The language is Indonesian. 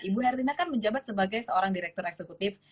ibu herlina kan menjabat sebagai seorang direktur eksekutif